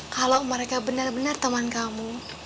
kalau mereka benar benar teman kamu